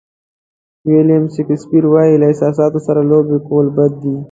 ویلیام شکسپیر وایي له احساساتو سره لوبې کول بد دي.